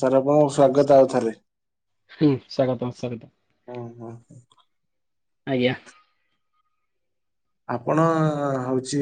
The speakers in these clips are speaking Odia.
ସାରବ ସ୍ଵାଗତ ଆଉଥରେ ହୁଁ ସ୍ୱାଗତମ ସାର ହୁଁ ହୁଁ। ଆଜ୍ଞା। ଆପଣ ହଉଛି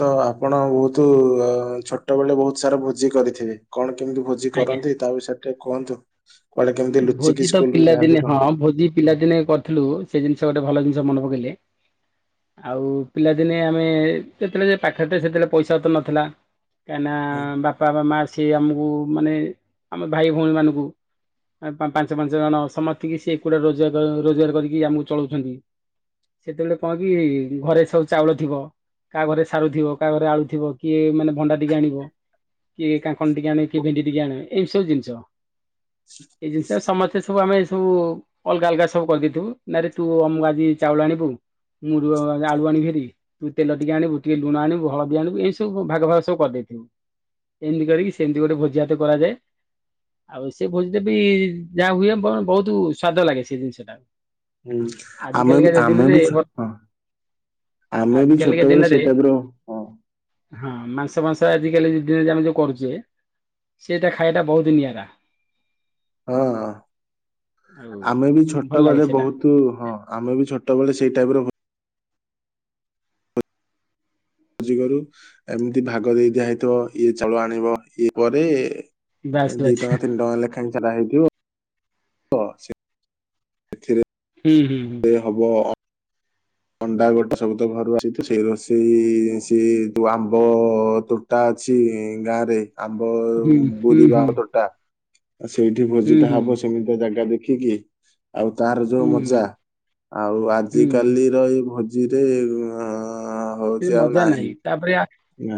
ତ ଆପଣ ବହୁତ ଛୋଟ ଛୋଟବେଳେ ବହୁତ ସାରା ଭୋଜି କରିଥିବେ କଣ କେମିତି ଭୋଜି ଆଜ୍ଞା କରନ୍ତି ତା ବିଷୟରେ ଟିକେ କୁହନ୍ତୁ? କୁଆଡେ କେମିତି ଲୁଚିକି ଭୋଜିତ ସ୍କୁଲରୁ ଯାଆନ୍ତି ପିଲାଦିନେ କଣ? ହଁ ଭୋଜି ହଁ ପିଲାଦିନେ କରିଥିଲୁ ସେଜିନିଷ ଗୋଟେ ଭଲ ଜିନିଷ ମନେ ପକେଇଲେ ଆଉ ପିଲାଦିନେ ଆମେ ଯେତେବେଳେ ପାଖରେ ସେତେବେଳେ ପଇସାତ ନଥିଲା କାହିଁକିନା ହଁ ବାପା ବା ମା ସିଏ ଆମକୁ ମାନେ ଆମ ଭାଇ ଭଉଣୀମାନଙ୍କୁ ପାଞ୍ଚ ପାଞ୍ଚଜଣ ସମସ୍ତିକି ସିଏ ଏକୁଟିଆ ରୋଜ ରୋଜଗାର କରିକି ଆମକୁ ଚଳଉଛନ୍ତି। ସେତେବେଳେ କଣକି ଘରେ ସବୁ ଚାଉଳ ଥିବ। କାହାଘରେ ସାରୁଥିବ କାହାଘରେ ଆଳୁଥିବ କିଏ ମାନେ ଭଣ୍ଡା ଟିକେ ଆଣିବ କିଏ କାଙ୍କଡ ଟିକେ ଆଣେ କିଏଭେଣ୍ଡି ଟିକେ ଆଣିବ ଏହିସବୁ ଜିନିଷ। ଏଇ ଜିନିଷ ସମସ୍ତେ ସବୁ ଆମେ ଏସବୁ ଅଲଗା ଅଲଗା ସବୁ କରିଦେଇଥିବୁ ନାରେ ତୁ ଅମକ ଆଜି ଚାଉଳ ଆଣିବୁ ମୁଁ ଆଳୁ ଆଣିଛନ୍ତି। ତୁ ତେଲ ଟିକେ ଆଣିବୁ କିଏ ଲୁଣଆଣିବ ହଳଦୀ ଆଣିବୁ ଏଇ ସବୁ ଭାଗ ଭାଗ ସବୁ କରିଦେଇଥିବୁ। ଏମିତି କରିକି ସେମିତି ଗୋଟେ ଭୋଜିଭାତ କରାଯାଏ ଆଉ ସେ ଭୋଜି ଯେ ବି ଯାହା ହୁଏ ବହୁତ ସ୍ଵାଦ ଲାଗେ ସେ ଜିନିଷଟା। ହୁଁ ଆମେ ଆମେବି ଛୋଟ ଆଜି ଆମେବି ଛୋଟ କାଲିକା ବେେଳେ ଦିନରେ ସେଇ ଟାଇପର ହଁ, ମାଂସ ମାଂସ ଆଜିକାଲି ଯିଦିରେ ଯେ ଆମେ ଯୋଉ କରୁଚେ ସେଇଟା ଖାଇବାଟା ବହୁତ ନିଆରା। ଆଉ ଆମେବି ଭଲ ଲାଗେ ଛୋଟବେଳେ ସେଇଟା। ବହୁତୁ ହଁ, ଆମେବି ଛୋଟ ବେଳେ ସେଇ ଟାଇପ୍ ର ବୁ ଯିଗରୁ ଏମିତି ଭାଗ ଦେଇ ଦିଆହେଇଥିବ। ଇଏ ଚାଉଳ ଆଣିବ। ଇଏ ପରେ ବାସ୍ ଦି ବାସ୍ ଟଙ୍କା ତିନି ଟଙ୍କା ଲେଖାଏଁ ସେରା ହେଇଥିବ [inaudible] ସିଏ ଏଥିରେ ହୁଁ, ହୁଁ, ହୁଁ। ସେ ହବ-ଅ ଅଣ୍ଡା ଗୋଟେ ସବୁତ ଘରୁଆସିଥିବ, ସେଇ ରୋଷେଇ-ଇ ସେ ଯୋଉ ଆମ୍ବ-ଅ ତୋଟ୍ ଟା ଅଛି ଗାଁରେ ଆମ୍ବ ହୁଁ ହୁଁ ହୁଁ ହୁଁ ବୁୁରିବାହ ତୋଟା ସେଇଠି ହୁଁ ଭୋଜିଟା ହୁଁ। ହବ, ସେମିତିଆ ଜାଗା ଦେଖିକି। ଆଉ, ତାହାର ଯୋଉ ମଜା ହୁଁ ଆଉ, ହୁଁ ଆଜିିକାଲି ତ ଏଇଭୋଜିରେ ଅଁ ଏ ମଜା ନାହିଁ। ତା'ପରେ ଆ,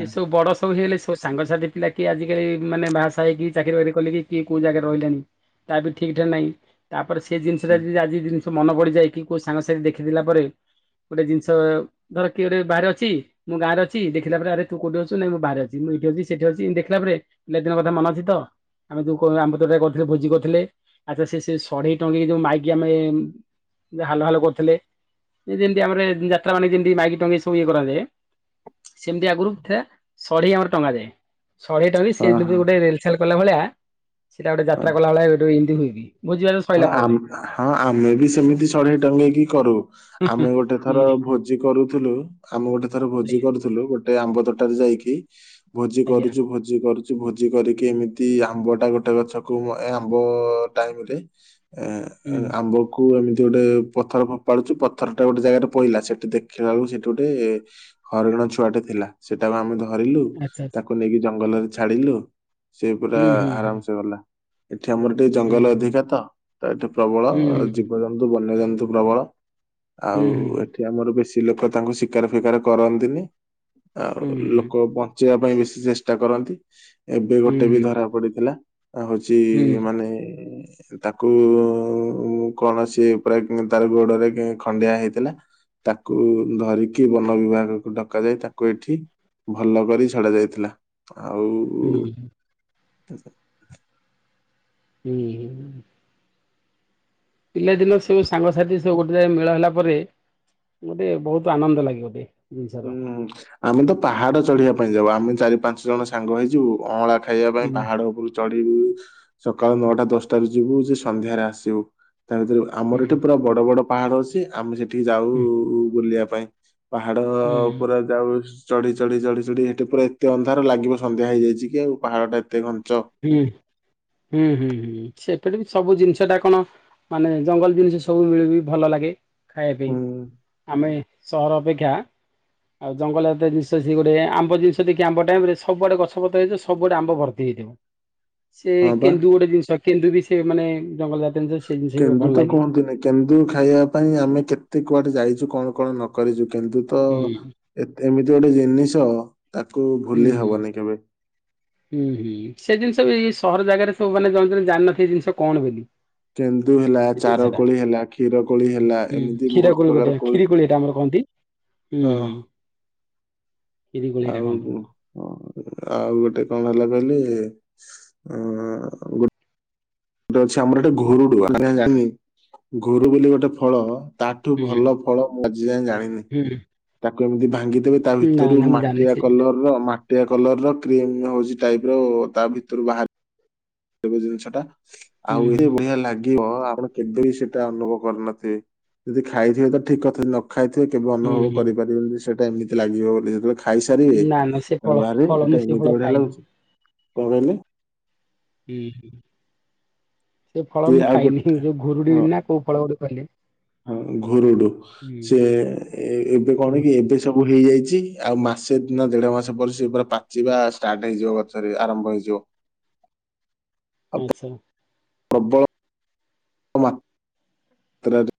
ଏସବୁ ବଡ ସବୁ ହେଇଗଲେ ସେ ଏ ସାଙ୍ଗସାଥି ପିଲା କିଏ, ଆଜିକାଲି ମାନେ ବାହାସାହା ହେଇକି, ଚାକିରି ବାକିରି କଲିକି କିଏ କୋଉ ଜାଗାରେ ରହିଲେଣି? ତାବି ଠିକ୍ ଠାକ୍ ନାହିଁ। ତା'ପରେ ସେ ଜିନିଷଟା ନା। ଯି ଆଜି ଜିନ୍ ତ ମନେ ପଡିଯାଇକି, କୋଉ ସାଙ୍ଗସାଥି ଦେଖିଦେଲା ପରେ, ଗୋଟେ ଜିନିଷ ଧର କିଏ ଗୋଟେ ବାହାରେ ଅଛି ମୁଁ, ଗାଁରେ ଅଛି, ଦେଖିଲାପରେ ଆରେ ତୁକୋଉଠି ଅଛୁ? ନାଇଁ ବାହାରେ ଅଛି, ମୁଁ ଏଇଠି ଅଛି, ସେଠି ଅଛି, ଇଁ ଦେଖିଲା ପରେ ପିଲାଦିନ କଥା ମନେ ଅଛି ତ? ଆମେ ଯୋଉ କ ଆମ୍ବତୋଟାରେ କରିଥିଲେ, ଭୋଜି କରୁଥିଲେ। ଆଚ୍ଛା ସେ-ସେ ସଢେଇ ଟଙ୍ଗେଇକି, ଯୋଉ ମାଇକି ଆମେ ହାଲୋ, ହାଲୋ, କରୁଥିଲେ। ଯେମିତି ଆମର ଯାତ୍ରା ମାନେ ଯେମିତି ମାଇକି ଟଙ୍ଗେଇ ସି କୁ ଇଏ କରାଯାଏ। ସେମିତି ଆଗରୁ ଥିଆ ସଢେଇ ଆମର ଟଙ୍ଗା ଯାଏ। ସଢେଇ ଟଙ୍ଗେଇ ସେ ହଁ ଯଉ ହଁ ବି ଗୋଟେ ରେଲ୍ ସେଲ୍ କଲାଭଳିଆ ସେଇଟା, ଗୋଟେ ହଁ। ଯାତ୍ରା କଲାଭଳିଆ ଗୋଟେ ଇଁତି ହୁଏ ବି। [unintelligible] ହଁ, ଆମ୍ ହଁ, ଆମେ ବି ସେମିତି ସଢେଇଟା ନେଇକି କରୁ। ଆମେ ଗୋଟେ ଥର ହୁଁ ଭୋ ଜି କରୁଥୁଲୁ। ଆମେ ଗୋଟେ ଥର ଭୋଜି କରୁଥୁଲୁ ଗୋଟେ, ଆମ୍ବ ତୋଟାରେ ଯାଇକି ଭୋଜି ଆଜ୍ଞା କରୁଛୁ ଭୋଜ୍ ଭୋଜି କରୁଚୁ ଭୋଜି କରିକି, ଏମିତି ଆମ୍ବ ଟା ଗୋଟେ ଗଛକୁ, ଏ ଆମ୍ବ-ଅ ଟାଇମ୍ ରେ ଏଁ, ଏ ହୁଁ ଆମ୍ବ କୁ ଏମିତି ଗୋଟେ, ପଥର ଫୋପାଡୁଚୁ ପଥର ଟା ଗୋଟେ ଜାଗାରେ ପଇଲା, ସେଠି ଦେଖିଲା ବେଳକୁ ସେଠି ଗୋଟେ ହରିଣ ଛୁଆଟେ ଥିଲା। ସେଟାକୁ ଆମେ ଧରିଲୁ ଆଚ୍ଛା ଆଚ୍ଛା ତାକୁ ନେଇକି, ଜଙ୍ଗଲରେ ଛାଡିଲୁ। ସେ ପୁରା ହୁଁ ହୁଁ ଆରାମସେ ଗଲା। ଏଠି ଆମର ଟିକେ ଜଙ୍ଗଲ ହୁଁ। ଅଧିକା ତ। ତ ଏଠି ପ୍ରବଳ, ହୁଁ ହୁଁ ଜୀବଜନ୍ତୁ ବନ୍ୟଜନ୍ତୁ ପ୍ରବଳ ହୁଁ ଆଉ, ଏଠି ଏଠି ହୁଁ ଆମର ବେଶୀ ଲୋକ ତାଙ୍କୁ ଶିକାର ଫିକାର କରନ୍ତିନି। ଆଉ ହୁଁ ଲୋକ ହୁଁ ବନ୍ ଞ୍ଚିଆ ପାଇଁ ବେଶୀ ଚେଷ୍ଟା କରନ୍ତି। ଏବେ ଗୋଟେ ବି ହୁଁ ଧରା ପଡିଥିଲା। ହୁଁ ହଉଛି-ଇ ମାନେ-ଏ ତାକୁ ଉ-ଉଁ କୌଣସି ଉପରେ, ତାର ଗୋଡରେ ଖଣ୍ଡିଆ ହେଇଥିଲା। ତାକୁ ଧରିକି ବନ ବିଭାଗକୁ ଡକା ଯାଇ, ତାକୁ ଏଠି ଭଲ କରି ଛଡା ଯାଇଥିଲା। ଆଉ ହୁଁ। [inaudible] ଉଁ, ହୁଁ। ପିଲାଦିନ ସବୁ ସାଙ୍ଗସାଥି ସବୁ ଗୋଟେ ଯାଗାରେ ମେଳ ହେଲା ପରେ ଗୋଟେ ବହୁତ ଆନନ୍ଦ ଲାଗେ ଗୋଟେ। ଜିନିଷର। ହୁଁ, ଆମେ ତ ପାହାଡ ଚଢିବା ପାଇଁ ଯାଉ। ଆମେ ଚାରି ପାଞ୍ଚ ଜଣ ସାଙ୍ଗ ହେଇଯିବୁ, ଅଁଳା ଖା ଖାଇବା ପାଇଁ ହୁଁ ପାହାଡ ଉପରୁ ଚଢିବୁ ସକାଳ ନଅଟା ଦଶଟାରୁ ଯିବୁ ଯେ ସନ୍ଧ୍ୟାରେ ଆସିବୁ ତା ଭିତରେ ହୁଁ ଆମର ଏଠି ପୁରା ବଡ଼ ବଡ଼ ପାହାଡ଼ ଅଛି ଆମେ ସେଠିକି ଯାଉ ହୁଁ ବୁଲିବା ପାଇଁ। ତ ହୁଁ ପୁରା ଯାଉ ଚଢି ଚଢି ଚଢି ଚଢି ହେଠେ ପୁରା ଏତେ ଅନ୍ଧାର ଲାଗିବ ସନ୍ଧ୍ୟା ହେଇଯାଇଛି କି ଆଉ ପାହାଡ ଟା ଏତେ ଘଞ୍ଚ। ହୁଁ ହୁଁ ହୁଁ ହୁଁ ସେପଟେ ବି ସବୁ ଜିନିଷ ଟା କଣ ମାନେ ଜଙ୍ଗଲ ଜିନିଷ ସବୁ ମିଳେବି ଭଲ ଲାଗେ ଖାଇବା ପାଇଁ ହୁଁ ଆମେ ସହର ଅପେକ୍ଷା ଆଉ ଜଙ୍ଗଲରେ ଜାତୀୟ ସେ ଜିନିଷ ଗୋଟେ ଆମ୍ବ ଜିନିଷ ଦେଖି ଆମ୍ବ ଟାଇମ ରେ ସବୁଆଡେ ଗଛ ପତ୍ର ହେଇଥିବ ସବୁଆଡେ ଆମ୍ବ ଭର୍ତ୍ତି। ଦେଇଦବ। ସେ ହଁ ବା। କେନ୍ଦୁ ଗୋଟେ ଜିନିଷ କେନ୍ଦୁ ବି ସେ ମାନେ ଜଙ୍ଗଲ ଜାତୀୟ ଜିନିଷ ସେ ଜିନିଷ ବି କେନ୍ଦୁ ଭଲ ତ ଲାଗେ। କୁହନ୍ତୁନି କେନ୍ଦୁ ଖାଇବା ପାଇଁ ଆମେ କେତେ କୁଆଡେ ଯାଇଛୁ କଣ କଣ ନ କରିଛୁ କେନ୍ଦୁ ତ ହୁଁ ଏମିତି ଗୋଟେ ଜିନିଷ ତାକୁ ହୁଁ ଭୁଲି ହୁଁ। ହବନି କେବେ। ହୁଁ ହୁଁ ସେ ଜିନିଷ ବି ସହର ଜାଗାରେ ସବୁ ମାନେ ଜଣେ ଜଣେ ଜାଣିନଥିବେ ଏ ଜିନିଷ କଣ ବୋଲି। କେନ୍ଦୁ ହେଲା ସେ ଚାର ସେଟା କୋଳି ହେଲା କ୍ଷୀର କୋଳି ହେଲା ହୁଁ ଏମିତି କ୍ଷୀର ବହୁତ କୋଳି ପ୍ରକାର ଗୋଟେ ଖିରୀକୋଳି ଏଇଟା ଆମର କହନ୍ତି। ହୁଁ ହଁ ହୁଁ। କ୍ଷୀରି କୋଳି ଏଟା ଆଉ କ କହନ୍ତି। ହଁ ଆଉ ଗୋଟେ କଣ ହେଲା କହିଲେ ଆ ଆ ଗୋ ଗୋଟେ ଅଛି ଆମର ଗୋଟେ ଘୋରୁଡୁଆ ଘୋରୁ ବୋଲି ଗୋଟେ ଫଳ ତାଠୁ ହୁଁ ଭଲ ଫଳ ମୁଁ ଆଜି ଯାଏ ଜାଣିନି ହୁଁ। ତାକୁ ଏମିତି ଭାଙ୍ଗିଦେବେ ତା ନା ଭିତରୁ ନା ମୁଁ ଜାଣିନି ମାଟିଆ ସେ ପିଲା କଲର ର ମା ମାଟିଆ କଲର ର କ୍ରିମ ହଉଛି ଟାଇପ ର ତା ଭିତରୁ ବାହାରେ। ଏ ଜିନିଷ ଟା ହୁଁ ଆଉ ହୁଁ ଏତ ବଢିଆ ଲାଗିବ ଆପଣ କେବେ ବି ସେଇଟା ଅନୁଭବ କରିନଥିବେ ଯଦି ଖାଇଥିବେ ତ ଠିକ କଥା ନ ନ ଖାଇଥିବେ କେବେ ହୁଁ ଅନୁଭବ ହୁଁ କରିପାରିବେନି ସେଟା ଏମିତି ଲାଗିବ ବୋଲି ଯେତେବେଳେ ଖା ଖାଇସାରିବେ ନା ନା ସେ ଫଳ କହିବେ ଆରେ ଫଳ ମୁଁ ଏଟା ସେ ଫଳ ଏମିତି ବଢିଆ ଖାଇନି ଲାଗୁଛି କଣ କହିଲେ? ହୁଁ ହୁଁ ସେ ଫଳ ସିଏ ମୁଁ ଆଉ ଖାଇନି ଗୋଟେ ଯୋଉ ଘୁରୁଡି ହଁ ନା କୋଉ ଫଳ ଗୋଟେ କହିଲେ। ହଁ ଘୁରୁଡୁ ହୁଁ ସେ ଏବେ କଣ କି ଘୁରୁ ଏବେ ଏ ସବୁ ହେଇଯାଇଛି ଆଉ ମାସେ ନା ଦେଢ ମାସ ପରେ ସେ ପୁରା ପାଚିବା ଷ୍ଟାର୍ଟ ହେଇଯିବ ଗଛରେ ଆରମ୍ଭ ହେଇଯିବ। ଆଉ ଆଚ୍ଛା। ପ୍ରବଳ। ମା ତ୍ରାର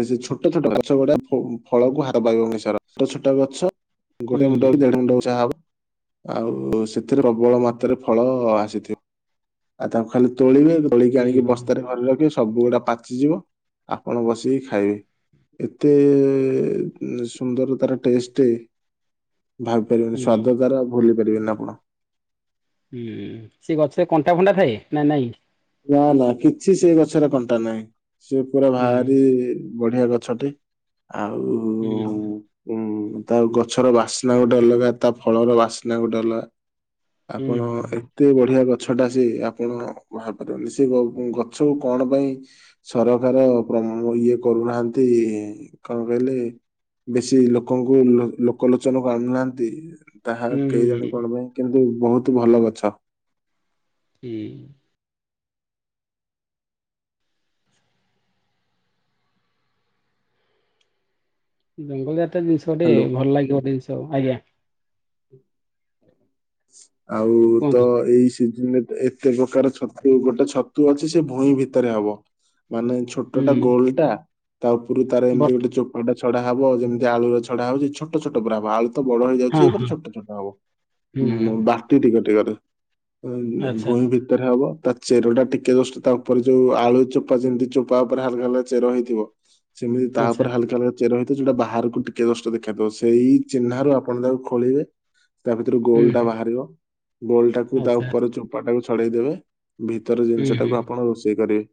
ସେ ସେ ଛୋଟ ଛୋଟ ଗଛ ଗୁଡା ଫ-ଫଳକୁ ହାତ ପାଇବନି ସରା ଛୋଟ ଛୋଟ ଗଛ। ହୁଁ ଗୋଟେ ହୁଁ ମୁଣ୍ଡ ଦେଢ ମୁଣ୍ଡ ଉଚ୍ଚା ହବ। ଆଉ ସେଥିରେ ପ୍ରବଳ ମାତ୍ରାରେ ଫଳ ଆସିଥି ଆଉ ତାଙ୍କୁ ଖାଲି ତୋଳିବେ ତୋଳିକି ଆଣିକି ହୁଁ ବସ୍ତାରେ ଘରେ ରଖିବେ ସବୁ ଗୁଡା ପାଚିଯିବ ଆପଣ ବସିକି ଖାଇବେ ଏତେ ସୁନ୍ଦର ତାର ଟେଷ୍ଟ ଭାବି ହୁଁ ପାରିବେନି ହୁଁ ସ୍ଵାଦ ତାର ଭୁଲି ପାରିବେନି ଆପଣ। ହୁଁ ସେ ଗଛରେ କଣ୍ଟା ଫଣ୍ଟା ଥାଏ ନା ନାଇଁ। ନା ନା କିଛି ସେ ଗଛରେ କଣ୍ଟା ନାହିଁ ସେ ପୁରା ହୁଁ ଭାରି ବଢିଆ ଗଛଟେ ଆଉ ହୁଁ ହୁଁ ତା ଗଛର ବାସ୍ନା ଗୋଟେ ଅଲଗା ତା ଫଳର ବାସ୍ନା ଗୋଟେ ଅଲଗା। ହୁଁ ଆପଣ ହୁଁ ଏତେ ବଢିଆ ଗଛ ଟା ସେ ଆପଣ କୁହା ହେଇପାରିବନି ସେ ଗ-ଗଛକୁ କଣ ପାଇଁ ସରକାର ପ୍ର ଇଏ କରୁନାହାନ୍ତି କଣ କହିଲେ? ବେଶୀ ଲୋକଙ୍କୁ ଲୋ ଲୋକଲୋଚନ କୁ ଆଣୁନାହାନ୍ତି। ତାହା ହୁଁ କେଇଜାଣି ହୁଁ କଣ ପାଇଁ କିନ୍ତୁ ବହୁତ ଭଲ ଗଛ। ହି ଜଙ୍ଗଲ ଜାତୀୟ ଜିନିଷ ଟିକେ ହ୍ୟାଲୋ ଭଲ ଲାଗିବ ଜିନିଷ ଆଜ୍ଞା। ଆଉ ତ କୁହନ୍ତୁ ଏଇ ସିଜିନରେ ତ ଏ କେତେ ପ୍ରକାର ଛତୁ ଗୋଟେ ଛତୁ ଅଛି ସେ ଭୁଇଁ ଭିତରେ ହବ ମାନେ ଛ ଛୋଟ ହୁଁ ଟା ଗୋଲ ଟା ତା ଉପରୁ ତାର ଏମିତି ବର୍ତ୍ତ ଗୋଟେ ଚୋ ପା ଟା ଛଡା ହବ ଆଉ ଯେମିତି ଆଳୁର ଛଡ଼ା ହୋଉଛି ଛୋଟ ଛୋଟ ପୁରା ଆଳୁ ତ ବଡ ହେଇଯାଉଛି ହଁ ଏ ପୁ ହଁ ଛୋଟ ଛୋଟ ହବ ହୁଁ ହୁଁ ଉଁ ବାଟି ଟିକେ ଟିକରେ ଉଁ ଆଚ୍ଛା ଭୂଇଁ ଭି ଆଚ୍ଛା ଭିତରେ ହବ ତା ଚେର ଟା ଟିକେ ଜଷ୍ଟ ତା ଉପରେ ଯୋଉ ଆଳୁ ଚୋପା ଯେମିତି ଚୋପା ଉପରେ ହାଲକା ହାଲକା ଚେର ହେଇଥିବ। ସେମିତି ଆଚ୍ଛା ତାପରେ ହାଲକା ହଲକା ଚେର ହେଇଥିବ ଯଉଟା ବାହାରକୁ ଟିକେ କଷ୍ଟ ଦେଖାହଉଥିବ ସେଇ ଚିହ୍ନାରୁ ଆପଣ ତାକୁ ଖୋଳିବେ ତା ଭିତରୁ ଗୋଲ ହୁଁ ଟା ହୁଁ ବାହାରିବ ଗୋଲ ଟାକୁ ତା ଆଚ୍ଛା ଉପରେ ଆଚ୍ଛା ଚୋ ପା ଟାକୁ ଛଡେଇଦବେ ଭିତର ହୁଁ ଜିନିଷ ଟାକୁ ହୁଁ ଆପଣ ରୋଷେଇ କରିବେ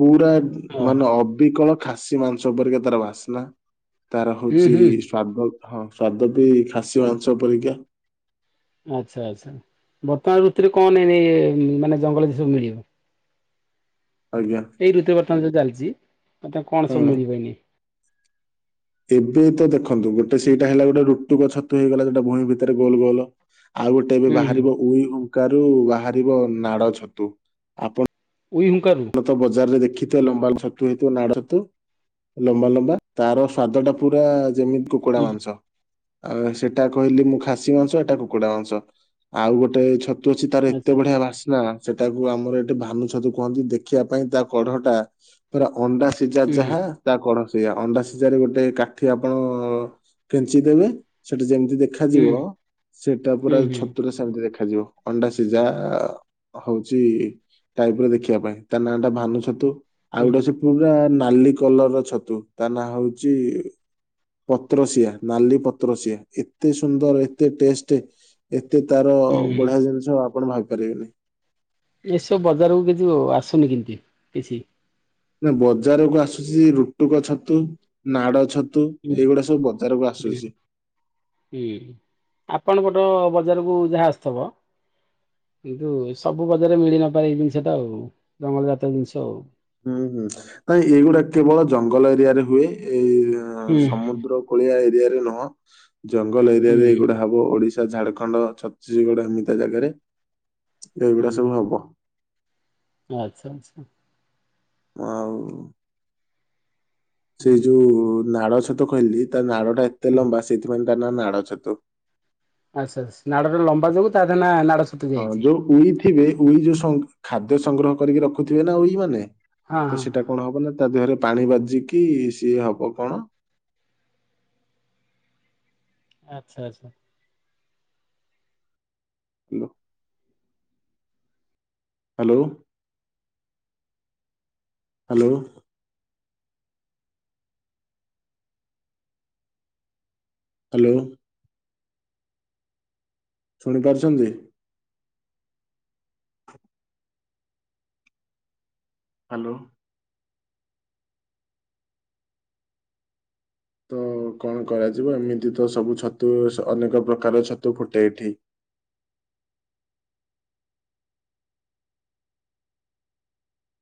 ପୁରା ହଁ ମାନେ ଅବିକଳ ଖାସି ମାଂସ ପରିକ ତାର ବାସ୍ନା ତାର ହୁଁ ହଉଚି ହୁଁ ସ୍ୱାଦ ହଁ ସ୍ଵାଦ ବି ଖାସି ମାଂସ ପରିକା। ଆଚ୍ଛା ଆଚ୍ଛା ବର୍ତ୍ତମାନ ଋତୁରେ କଣ [unintelligible] ମାନେ ଜଙ୍ଗଲରେ ସବୁ ମିଳିବ। ଆଜ୍ଞା। ଏଇ ଋତୁ ବର୍ତ୍ତମାନ ଯୋଉ ଚାଲିଛି ମତେ କଣ ସବୁ ହଁ ମିଳିବ ଏଇନେ। ଏବେ ତ ଦେଖନ୍ତୁ ଗୋଟେ ସେଇଟା ହେଲା ଗୋଟେ ରୁଟୁକ ଛତୁ ହେଇଗଲା ସେଟା ଭୂଇଁ ଭିତରେ ଗୋଲ ଗୋଲ। ଆଉ ଗୋଟେ ଏବେ ହୁଁ ହୁଁ ବାହାରିବ ଉଇ ହୁଙ୍କାରୁ ବାହାରିବ ନାଡ ଛତୁ ଆପଣ ଉଇ ହୁଙ୍କାରୁ। ନ ତ ବଜାରରେ ଦେଖିିବେ ଲମ୍ବା ଛତୁ ହେଇଥିବ ନାଡ ଛତୁ। ଲମ୍ବା ଲମ୍ବା ତାର ସ୍ଵାଦ ଟା ପୁରା ଯେମିତି କୁକୁଡା ମାଂସ। ଆ ସେଟା କହିଲି ମୁଁ ଖାସି ମାଂସ ଏଟା କୁକୁଡା ମାଂସ ଆଉ ଗୋଟେ ଛ ଛତୁ ତାର ଏତେ ଆଚ୍ଛା ବଢିଆ ବାସ୍ନା ସେଟାକୁ ଆମର ଏଠି ଭାନୁ ଛତୁ କୁହନ୍ତି ଦେ ଖିବା ପାଇଁ ତା କଢ ଟା ପୁରା ଅଣ୍ଡା ସିଝା ହୁଁ ଯାହା ତା କଢ ସେୟା ଅଣ୍ଡା ସିଝାରେ ଗୋଟେ କାଠି ଆପଣ କେଞ୍ଚି ଦେବେ ସେଠି ଯେମିତି ଦେ ହୁଁ ଖାଯିବ ସେଟା ହୁଁ ପୁରା ହୁଁ ଛତୁରେ ସେ ସେମିତି ଦେଖାଯିବ ଅଣ୍ଡା ସିଝା ହଉଛି ଟାଇପ ର ଦେଖିବା ପାଇଁ। ତା ନାଁ ଟା ଭାନୁ ଛତୁ ଆଉ ହୁଁ ଗୋଟେ ସେ ପୁରା ନାଲି କଲର ଛତୁ ତା ନାଁ ହଉଚି ପତ୍ର ସିଆ ନାଲି ପତ୍ର ସିଆ ଏତେ ସୁନ୍ଦର ଏତେ ଟେଷ୍ଟ। ଏତେ ତାର ହୁଁ। ବଢ଼ିଆ ଜିନିଷ ଆପଣ ଭାବି ପାରିବେ ନେଇଁ। ଏସବୁ ବଜାରକୁ କିଛି ଆସୁନି କିମିତି କିଛି। ନା ବଜାରକୁ ଆସୁଛି ରୁଟୁକ ଛତୁ। ନାଡ଼ ଛତୁ ଏଇ ହୁଁ ଗୁଡ଼ା ସବୁ ବଜାରକୁ ଆସୁଚି। ହି ଆପଣ ପଟ ବଜାରକୁ ଯାହା ଆସୁଥିବ। କିନ୍ତୁ ସବୁ ବଜାରରେ ମିଳି ନପାରେ ଏଇ ଜିନିଷ ଟା ଆଉ ଜଙ୍ଗଳ ଜାତୀୟ ଜିନିଷ ଆଉ। ହୁଁ ହୁଁ ନାଇଁ ଏଇଗୁଡ଼ା କେବଳ ଜଙ୍ଗଲ ଏରିଆରେ ହୁଏ। ଏଇ ହୁଁ ସମୁଦ୍ର କୂଳିଆ ଏରିଆରେ ନୁହଁ ଜଙ୍ଗଲ ହୁଁ ଏରିଆରେ ଏଇଗୁଡ଼ା ହବ ଓଡ଼ିଶା, ଝାରଖଣ୍ଡ, ଛତିଶଗଡ଼ ଏମିତିଆ ଜାଗାରେ ଏଇଗୁଡ଼ା ସବୁ ହୁଁ ହବ। ଆଚ୍ଛା ଆଚ୍ଛା। ମ ଆଉ ସେଇ ଯୋଉ ନାଡ଼ ଛତୁ କହିଲି ତା ନାଡ଼ଟା ଏତେ ହୁଁ ଲମ୍ବା ସେଇଥିପାଇଁ ତା ନାଁ ନାଡ଼ ଛତୁ। ଆଚ୍ଛା ଆସ ନାଡ଼ଟା ଲମ୍ବା ଯୋଗୁଁ ତାରି ନାଁ ନାଡ଼ ଛତୁ। ହଁ ଯୋଉ ଉଇ ଥିବେ ଉଇ ଯୋଉ ସଂ ଖାଦ୍ୟ ସଂଗ୍ରହ କରିକି ରଖୁଥିବେ ନା ଉଇ ମାନେ। ହଁ ତ ହଁ ସେଟା ହଁ କଣ ହବ ନା ତା ଦେହରେ ପାଣି ବାଜିକି ସିଏ ହବ କଣ ଆଚ୍ଛା ଆଚ୍ଛା। Hello hello. ହ୍ୟାଲୋ। ହ୍ୟାଲୋ। ଶୁଣି ପାରୁଛନ୍ତି। ହ୍ୟାଲୋ। ତ କଣ କରାଯିବ ଏମିତି ତ ସବୁ ଛତୁ ଅନେକ ପ୍ରକାର ଛତୁ ଫୁଟେ ଏଠି।